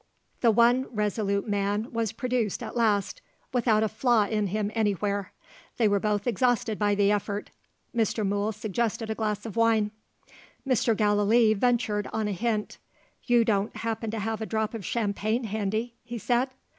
The one resolute Man was produced at last without a flaw in him anywhere. They were both exhausted by the effort. Mr. Mool suggested a glass of wine. Mr. Gallilee ventured on a hint. "You don't happen to have a drop of champagne handy?" he said.